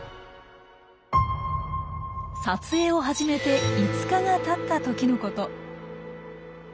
撮影を始めて５日がたった時のこと。